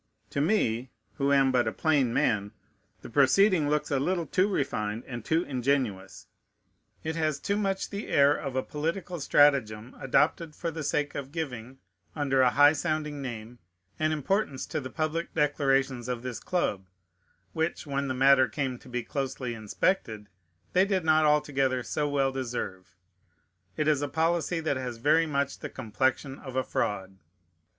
To me, who am but a plain man, the proceeding looks a little too refined and too ingenious; it has too much the air of a political stratagem, adopted for the sake of giving, under a high sounding name, an importance to the public declarations of this club, which, when the matter came to be closely inspected, they did not altogether so well deserve. It is a policy that has very much the complexion of a fraud.